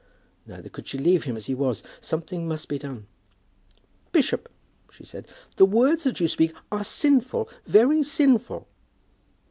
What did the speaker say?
Neither could she leave him as he was. Something must be done. "Bishop," she said, "the words that you speak are sinful, very sinful."